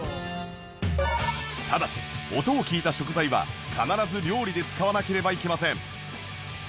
ただし音を聴いた食材は必ず料理で使わなければいけません